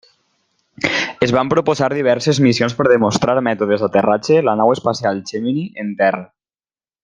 Es van proposar diverses missions per demostrar mètodes d'aterratge la nau espacial Gemini en terra.